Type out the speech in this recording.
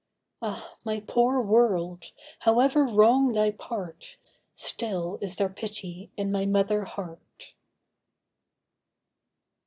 Ah, my poor world, however wrong thy part, Still is there pity in my mother heart.